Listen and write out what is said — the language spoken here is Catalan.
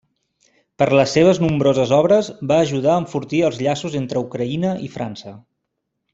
Per les seves nombroses obres, va ajudar a enfortir els llaços entre Ucraïna i França.